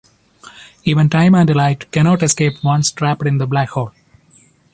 Even time and light cannot escape once trapped in the black hole.